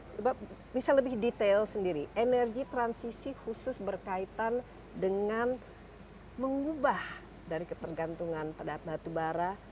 coba bisa lebih detail sendiri energi transisi khusus berkaitan dengan mengubah dari ketergantungan pada batubara